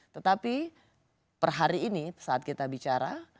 tetapi per hari ini saat kita bicara